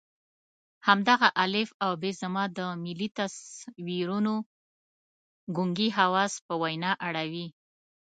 همدغه الف او ب زما د ملي تصویرونو ګونګي حواس په وینا اړوي.